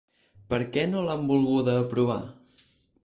Per què no l’han volguda aprovar?